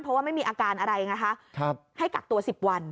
เพราะว่าไม่มีอาการอะไรไงคะให้กักตัว๑๐วัน